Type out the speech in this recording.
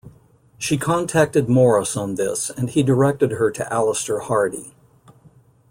She contacted Morris on this and he directed her to Alister Hardy.